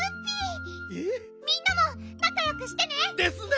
みんなもなかよくしてね。ですね。